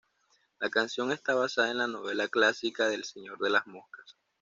La canción está basada en la novela clásica de "El señor de las moscas".